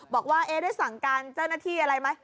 บอกว่าได้สั่งการเจ้าหน้าที่อะไรไหม